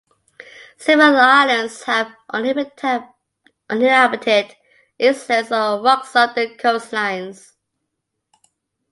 Several of the islands have uninhabited islets or rocks off their coastlines.